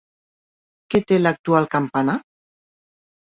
Què té l'actual campanar?